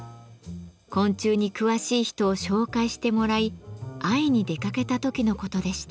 昆虫に詳しい人を紹介してもらい会いに出かけた時のことでした。